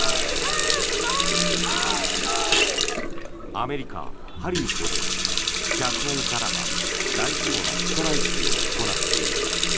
アメリカ・ハリウッドで脚本家らが大規模なストライキを行っている。